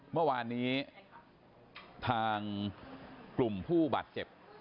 เมื่อวานนี้ทางกลุ่มผู้บาดเจ็บ